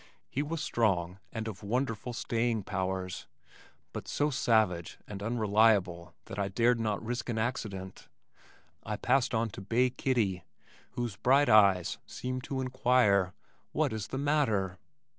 He was strong and of wonderful staying powers but so savage and unreliable that I dared not risk an accident. I passed on to bay Kittie whose bright eyes seemed to inquire, "What is the matter?"